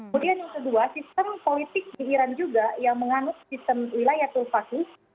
kemudian yang kedua sistem politik di iran juga yang menganut sistem wilayah tulvasi